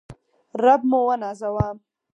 رب موونازوه